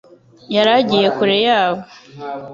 yari agiye kure yabo